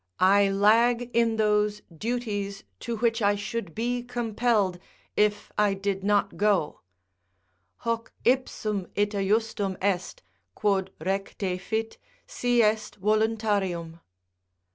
I lag in those duties to which I should be compelled if I did not go: "Hoc ipsum ita justum est, quod recte fit, si est voluntarium."